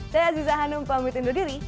saya aziza hanum pamitin doa diri